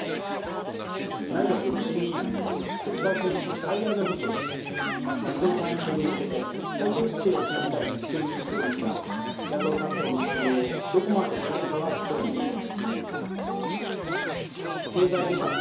内閣不信任案という国会戦術最大の武器を使って夏の参院選に向けて対決姿勢を強めたい立憲民主党ですが野党各党の賛同をどこまで得られるかは不透明です。